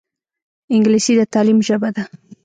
انګلیسي د تعلیم ژبه ده